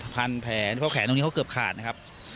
พันแผลเพราะแขนตรงนี้เขาเกือบขาดนะครับ